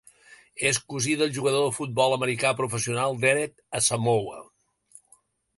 És cosí del jugador de futbol americà professional Derek Asamoah.